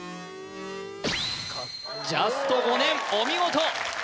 ジャスト５年お見事！